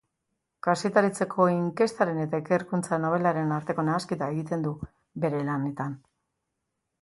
Kazetaritzako inkestaren eta ikerkuntza-nobelaren arteko nahasketa egiten du bere lanetan.